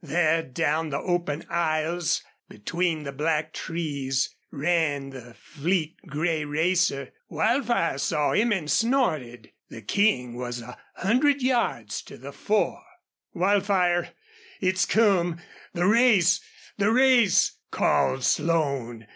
There down the open aisles between the black trees ran the fleet gray racer. Wildfire saw him and snorted. The King was a hundred yards to the fore. "Wildfire it's come the race the race!" called Slone.